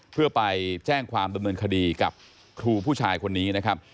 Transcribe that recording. เพื่อไปแจ้งความดำเนินคดีกับครูผู้ชายคนนี้นะครับ